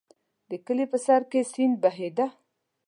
د کلي په سر کې سیند بهېده.